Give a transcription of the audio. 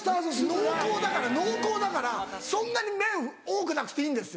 濃厚だから濃厚だからそんなに麺多くなくていいんですよ。